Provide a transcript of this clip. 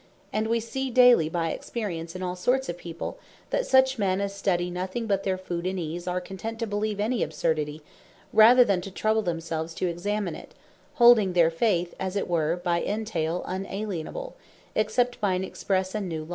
And wee see daily by experience in all sorts of People, that such men as study nothing but their food and ease, are content to beleeve any absurdity, rather than to trouble themselves to examine it; holding their faith as it were by entaile unalienable, except by an expresse and new Law.